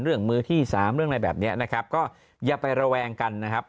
มือที่สามเรื่องอะไรแบบนี้นะครับก็อย่าไประแวงกันนะครับ